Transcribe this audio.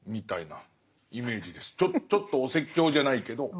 ちょっとお説教じゃないけど。